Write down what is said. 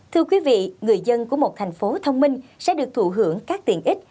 thưa quý vị người dân của một thành phố thông minh sẽ được thụ hưởng các tiện ích